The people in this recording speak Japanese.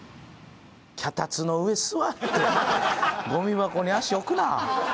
脚立の上座ってゴミ箱に足置くな。